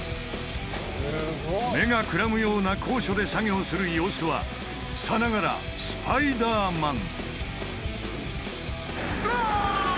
目がくらむような高所で作業する様子はさながらスパイダーマン！